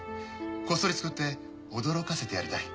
こっそり作って驚かせてやりたい。